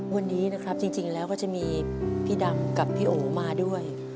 วันนี้นะครับจริงแล้วก็จะมีพี่ดำกับพี่โอมาด้วย